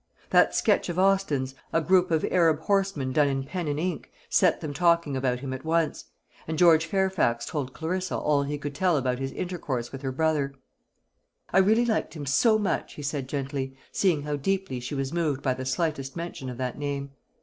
That sketch of Austin's a group of Arab horsemen done in pen and ink set them talking about him at once; and George Fairfax told Clarissa all he could tell about his intercourse with her brother. "I really liked him so much," he said gently, seeing how deeply she was moved by the slightest mention of that name.